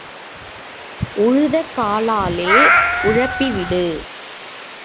உழுத காலாலே உழப்பி விடு.